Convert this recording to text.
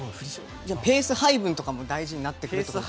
ペース配分とかも大事になってきますかね。